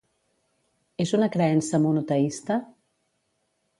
És una creença monoteista?